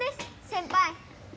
先輩。